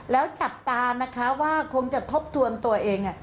แล้วจับตานะคะว่าคงจะทบทวนตัวเอง